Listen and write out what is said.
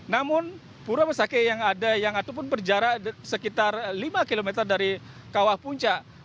namun pura besake yang ada yang ataupun berjarak sekitar lima km dari kawah puncak